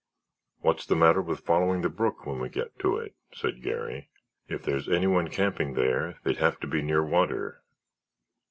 "What's the matter with following the brook when we get to it?" said Garry. "If there's anyone camping there they'd have to be near water."